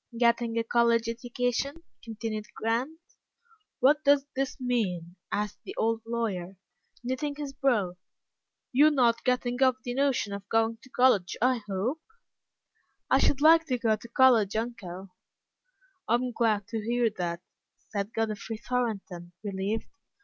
"Getting a college education?" continued Grant. "What does this mean?" asked the old lawyer, knitting his brow. "You're not getting off the notion of going to college, I hope?" "I should like to go to college, uncle." "I'm glad to hear that," said Godfrey Thornton, relieved.